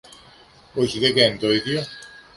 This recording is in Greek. Όχι, δεν κάνει το ίδιο